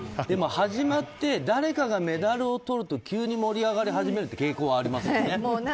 でも、始まって誰かがメダルをとると急に盛り上がり始めるという傾向ありますよね。